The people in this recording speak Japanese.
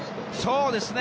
そうですね。